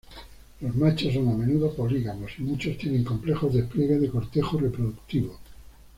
Los machos son a menudo polígamos, y muchos tienen complejos despliegues de cortejo reproductivo.